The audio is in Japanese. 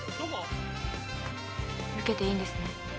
受けていいんですね？